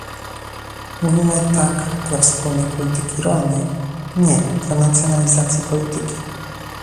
Mówimy "tak" dla wspólnej polityki rolnej, "nie" - dla nacjonalizacji polityki